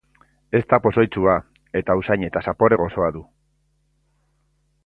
Ez da pozoitsua, eta usain eta zapore gozoa du.